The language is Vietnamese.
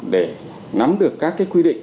để nắm được các cái quy định